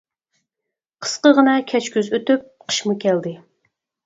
قىسقىغىنە كۈچ كۈز ئۆتۈپ قىشمۇ كەلدى.